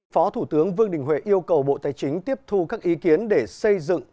phó thủ tướng vương đình huệ yêu cầu bộ tài chính tiếp thu các ý kiến để xây dựng